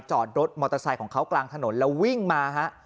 จอดรถมอเตอร์ไซค์ของเขากลางถนนแล้ววิ่งมาฮะ